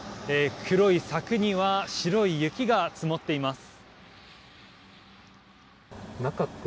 黒い柵には白い雪が積もっています。